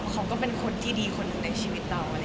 เขาก็เป็นคนที่ดีคนหนึ่งในชีวิตเรา